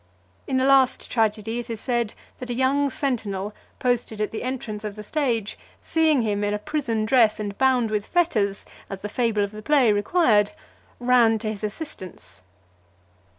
In the last tragedy, it is said that a young sentinel, posted at the entrance of the stage, seeing him in a prison dress and bound with fetters, as the fable of the play required, ran to his assistance.